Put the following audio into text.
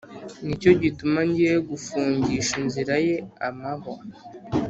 Ni cyo gituma ngiye gufungisha inzira ye amahwa,